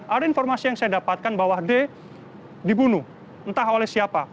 ada informasi yang saya dapatkan bahwa d dibunuh entah oleh siapa